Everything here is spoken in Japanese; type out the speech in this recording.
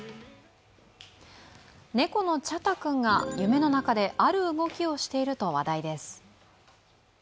猫のちゃた君が夢の中である動きをしていると話題です。